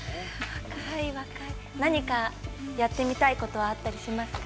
何かやってみたいことはあったりしますか？